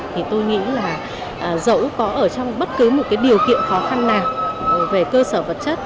thì tôi nghĩ là dẫu có ở trong bất cứ một cái điều kiện khó khăn nào về cơ sở vật chất